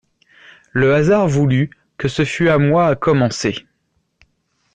Le hasard voulut que ce fût à moi à commencer.